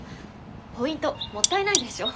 ポイントもったいないでしょ。